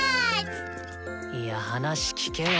いや話聞けよ。